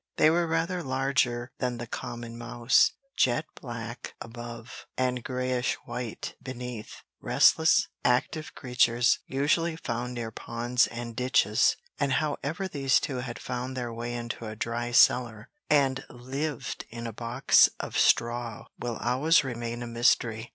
They were rather larger than the common mouse, jet black above, and greyish white beneath restless, active creatures, usually found near ponds and ditches; and how ever these two had found their way into a dry cellar, and lived in a box of straw will always remain a mystery.